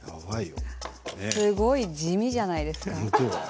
すごい地味じゃないですか。